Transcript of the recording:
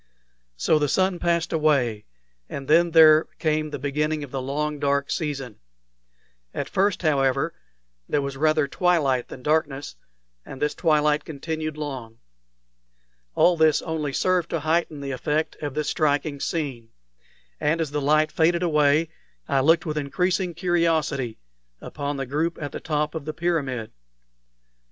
So the sun passed away, and then there came the beginning of the long dark season. At first, however, there was rather twilight than darkness, and this twilight continued long. All this only served to heighten the effect of this striking scene; and as the light faded away, I looked with increasing curiosity upon the group at the top of the pyramid.